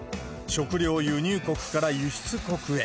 食料輸入国から輸出国へ。